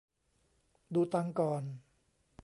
ดูตังค์ก่อน